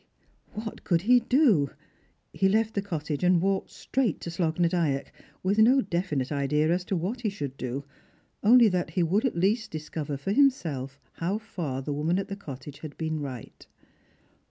What could he do? He left the cottage, and walked straight to Slogh na Dyack, with no definite idea as to what he should do, only that he would at least discover for himself how far the woman at the cottage had been right.